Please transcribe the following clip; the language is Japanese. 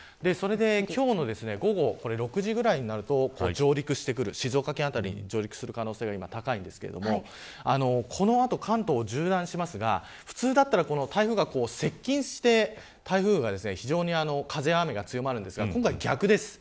今日の午後６時ぐらいになると静岡県辺りに上陸する可能性が高いんですがこの後関東を縦断しますが普通だったら、台風が接近して風、雨が強まるんですが今回は逆です。